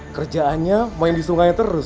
kerjaannya main di sungai terus